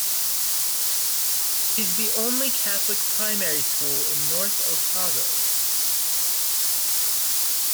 It is the only Catholic primary school in North Otago.